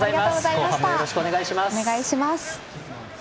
後半もよろしくお願いします。